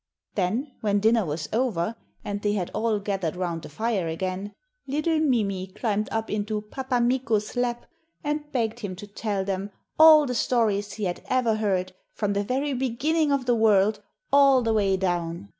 Then when dinner was over, and they had all gathered round the fire again, little Mimi climbed up into 'Pappa Mikko's' lap, and begged him to tell them 'all the stories he had ever heard, from the very beginning of the world all the way down.'